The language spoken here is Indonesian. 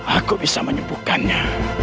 aku bisa menyembuhkannya